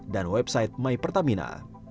dan website my pertamina